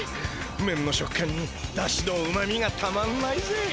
めんの食感にだしのうまみがたまんないぜ。